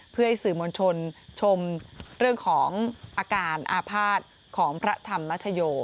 เพื่อให้สื่อมวลชนชมเรื่องของอาการอาภาษณ์ของพระธรรมชโย